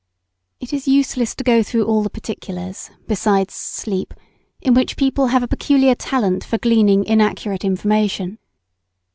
] It is useless to go through all the particulars, besides sleep, in which people have a peculiar talent for gleaning inaccurate information.